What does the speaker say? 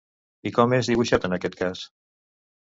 I com és dibuixat, en aquest cas?